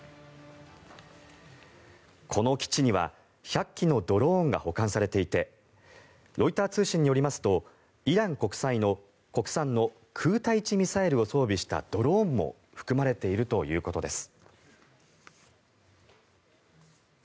この基地には１００機のドローンが保管されていてロイター通信によりますとイラン国産の空対地ミサイルを装備したドローンも含まれているということです。